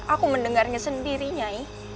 aku mendengarnya sendiri nyai